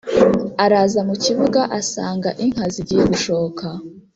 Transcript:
araza mukibuga asanga inka zigiye gushoka